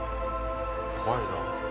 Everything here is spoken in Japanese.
怖いな。